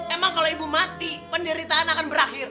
emang kalau ibu mati penderitaan akan berakhir